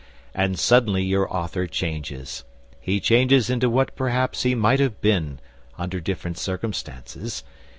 And suddenly your author changes. He changes into what perhaps he might have been under different circumstances.